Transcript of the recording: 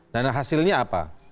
dan hasilnya apa